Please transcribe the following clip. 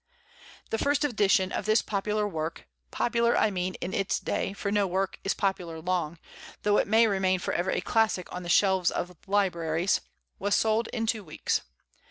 The first edition of this popular work popular, I mean, in its day, for no work is popular long, though it may remain forever a classic on the shelves of libraries was sold in two weeks.